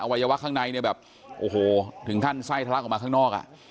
วัยวะข้างในเนี่ยแบบโอ้โหถึงขั้นไส้ทะลักออกมาข้างนอกอ่ะ